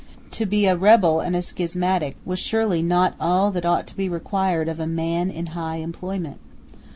To be a rebel and a schismatic was surely not all that ought to be required of a man in high employment.